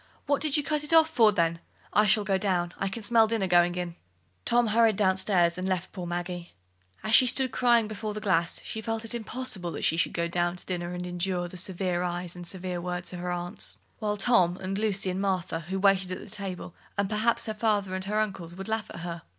"What did you cut it off for, then? I shall go down: I can smell the dinner going in." Tom hurried down stairs and left poor Maggie. As she stood crying before the glass, she felt it impossible that she should go down to dinner and endure the severe eyes and severe words of her aunts, while Tom, and Lucy, and Martha, who waited at table, and perhaps her father and her uncles, would laugh at her.